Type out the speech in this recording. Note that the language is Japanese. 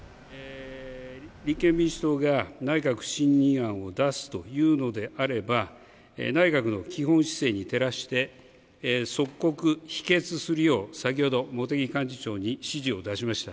立憲民主党が内閣不信任案を出すというのであれば、内閣の基本姿勢に照らして、即刻、否決するよう、先ほど、茂木幹事長に指示を出しました。